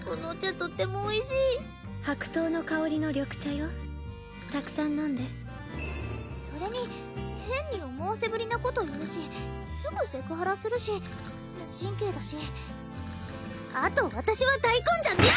とってもおいしい白桃の香りの緑茶よたくさん飲んでそれに変に思わせぶりなこと言うしすぐセクハラするし無神経だしあと私は大根じゃない！